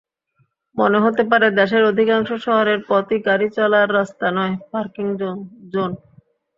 মনে হতে পারে, দেশের অধিকাংশ শহরের পথই গাড়ি চলার রাস্তা নয়, পার্কিং জোন।